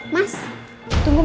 mas tunggu mas